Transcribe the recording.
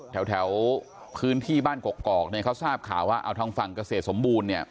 แถวพื้นที่บ้านกกอกเนี่ยเขาทราบข่าวว่าเอาทางฝั่งเกษตรสมบูรณ์เนี่ย